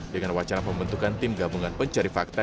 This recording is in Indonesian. dengan wacana pembentukan tim gabungan pencari fakta